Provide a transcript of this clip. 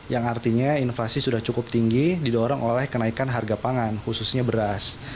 yang artinya inflasi sudah cukup tinggi didorong oleh kenaikan harga pangan khususnya beras